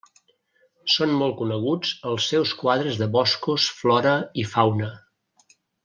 Són molt coneguts els seus quadres de boscos, flora i fauna.